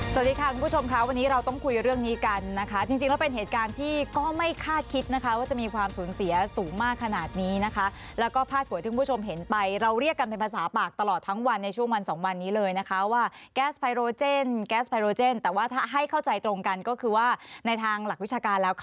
สวัสดีค่ะคุณผู้ชมค่ะวันนี้เราต้องคุยเรื่องนี้กันนะคะจริงแล้วเป็นเหตุการณ์ที่ก็ไม่คาดคิดนะคะว่าจะมีความสูญเสียสูงมากขนาดนี้นะคะแล้วก็พาดหัวที่คุณผู้ชมเห็นไปเราเรียกกันเป็นภาษาปากตลอดทั้งวันในช่วงวันสองวันนี้เลยนะคะว่าแก๊สไพโรเจนแก๊สไพโรเจนแต่ว่าถ้าให้เข้าใจตรงกันก็คือว่าในทางหลักวิชาการแล้วค